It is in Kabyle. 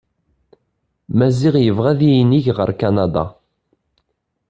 Maziɣ yebɣa ad inig ɣer kanada.